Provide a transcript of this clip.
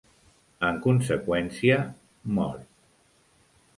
En conseqüència, mor.